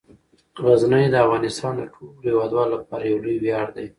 غزني د افغانستان د ټولو هیوادوالو لپاره یو لوی ویاړ دی.